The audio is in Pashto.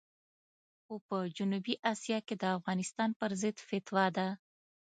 خو په جنوبي اسیا کې د افغانستان پرضد فتوا ده.